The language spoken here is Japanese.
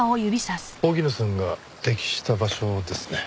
荻野さんが溺死した場所ですね。